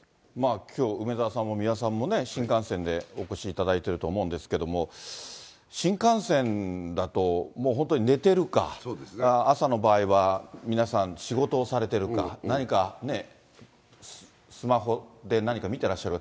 きょう、梅沢さんも三輪さんも、新幹線でお越しいただいていると思うんですけど、新幹線だと、もう本当に寝てるか、朝の場合は皆さん、仕事をされているか、何か、ね、スマホで、何か見てらっしゃる。